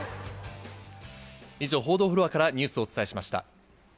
以上、報道フロアからニュースをお伝えしました。